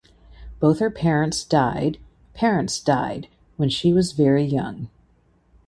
Both her parents died parents died when she was very young.